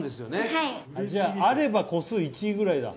・はいじゃああれば個数１位ぐらいだ